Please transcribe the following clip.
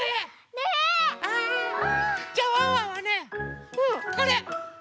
ねえ。じゃあワンワンはねこれ。